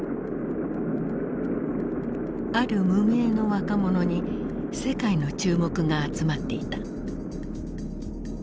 ある無名の若者に世界の注目が集まっていた。